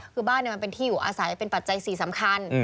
คือบ้านมันเป็นที่อยู่อาศัยเป็นปัจจัยสี่สำคัญ